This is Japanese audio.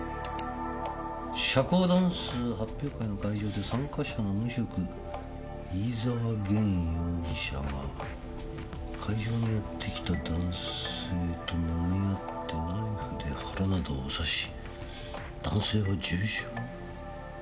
「社交ダンス発表会の会場で参加者の無職飯沢元容疑者が会場にやってきた男性ともみ合ってナイフで腹などを刺し男性が重傷」？